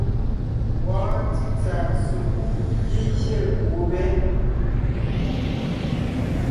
Wɔɔn títsà sekúd gígié gubé.